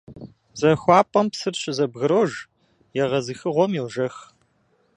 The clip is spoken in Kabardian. ЗахуапӀэм псыр щызэбгрож, егъэзыхыгъуэм — йожэх.